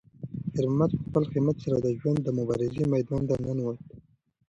خیر محمد په خپل همت سره د ژوند د مبارزې میدان ته ننووت.